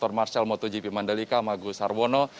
koordinator marsial motogp mandalika magus sarwono